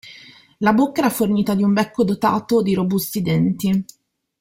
La bocca era fornita di un becco dotato di robusti denti.